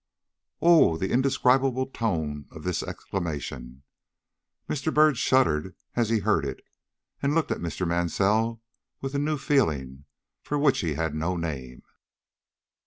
Oh, the indescribable tone of this exclamation! Mr. Byrd shuddered as he heard it, and looked at Mr. Mansell with a new feeling, for which he had no name.